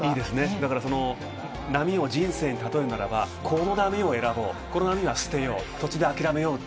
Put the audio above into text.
だから波を人生に例えるならば、この波を選ぼう、この波は捨てよう、途中で諦めようと。